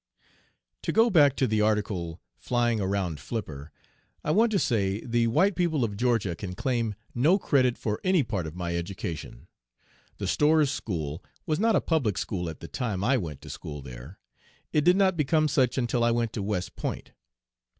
To go back to the article "Flying Around Flipper," I want to say the white people of Georgia can claim no credit for any part of my education. The Storrs school was not a public school at the time I went to school there. It did not become such until I went to West Point.